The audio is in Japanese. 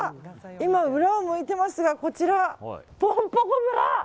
今、裏を向いていますがこちらぽんぽこ村。